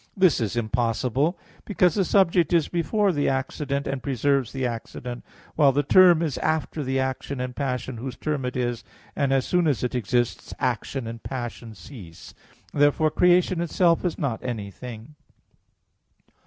This is impossible, because the subject is before the accident, and preserves the accident; while the term is after the action and passion whose term it is, and as soon as it exists, action and passion cease. Therefore creation itself is not any thing.